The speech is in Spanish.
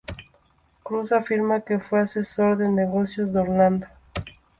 Cruz afirma que fue asesor de negocios de Orlando.